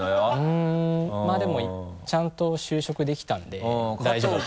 うんまぁでもちゃんと就職できたんで大丈夫だと。